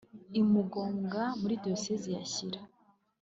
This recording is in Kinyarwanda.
i mugombwa muri diyosezi ya shyira